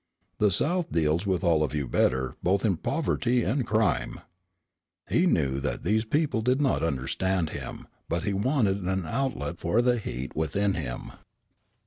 The South deals with all of you better, both in poverty and crime." He knew that these people did not understand him, but he wanted an outlet for the heat within him.